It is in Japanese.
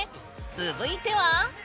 続いては？